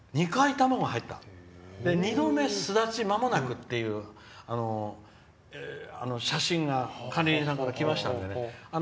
２度目、巣立ちまもなくっていう写真が管理人さんからきましたのでね。